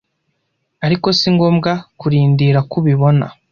ariko si ngombwa kurindira ko ubibona